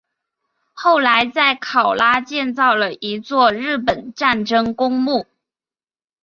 后来在考拉建造了一座日本战争公墓。